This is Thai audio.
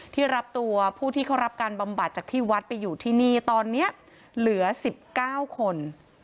ที่รับตัวผู้ที่เขารับการบำบัดจากที่วัดไปอยู่ที่นี่ตอนนี้เหลือ๑๙คน